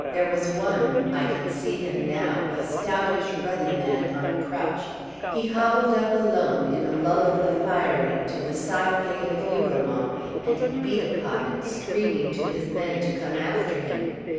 There was one I can see him now a stoutish ruddy man on a crutch. He hobbled up alone in a lull of the firing to the side gate of Hougoumont and he beat upon it, screaming to his men to come after him.